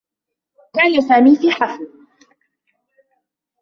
كان سامي في حفل.